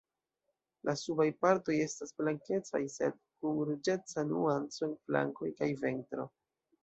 La subaj partoj estas blankecaj, sed kun ruĝeca nuanco en flankoj kaj ventro.